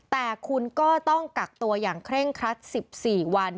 แต่คุณก็ต้องกักตัวอย่างเคร่งครัด๑๔วัน